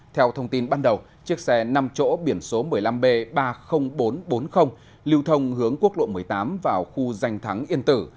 theo thông tin ban đầu chiếc xe năm chỗ biển số một mươi năm b ba mươi nghìn bốn trăm bốn mươi lưu thông hướng quốc lộ một mươi tám vào khu danh thắng yên tử